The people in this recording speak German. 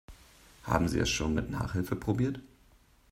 Haben Sie es schon mit Nachhilfe probiert?